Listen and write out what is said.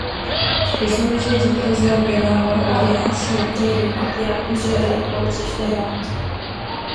Les objets du trésor de Lava auraient ainsi été recueillis à plusieurs époques différentes.